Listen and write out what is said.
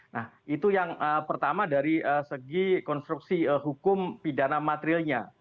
nah itu yang pertama dari segi konstruksi hukum pidana materialnya